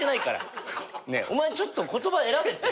お前ちょっと言葉選べ。